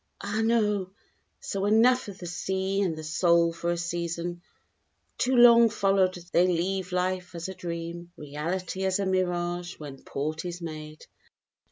_ _Ah no! so enough of the sea and the soul for a season. Too long followed they leave life as a dream, Reality as a mirage when port is made.